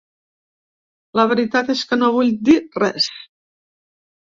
La veritat és que no vull dir res.